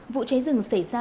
vụ cháy rừng xảy ra